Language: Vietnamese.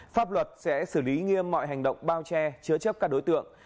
pháp luật sẽ xử lý nghiêm mọi hành động bao che chứa chấp các đối tượng